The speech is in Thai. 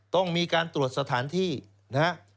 ต้องมีการตรวจสถานที่นะครับ